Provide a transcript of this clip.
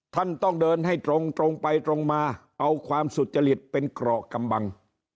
ท่านต้องเดินให้ตรงตรงไปตรงมาเอาความสุจริตเป็นเกราะกำบัง